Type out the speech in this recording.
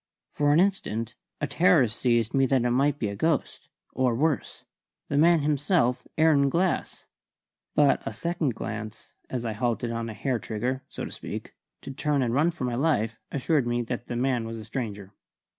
For an instant a terror seized me that it might be a ghost or, worse, the man himself, Aaron Glass. But a second glance, as I halted on a hair trigger so to speak to turn and run for my life, assured me that the man was a stranger.